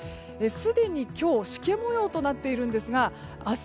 すでに今日、しけ模様となっているんですが明日